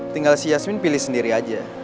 tinggal si yasmin pilih sendiri aja